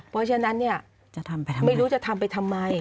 เพราะฉะนั้นเนี่ยไม่รู้จะทำไปทำไม